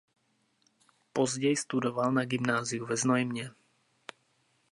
Později studoval na gymnáziu ve Znojmě.